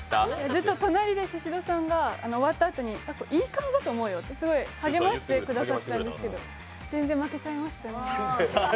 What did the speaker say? ずっと隣で宍戸さんが終わったとにいい感じだと思うよってすごい励ましてくださったんですけど全然負けちゃいました。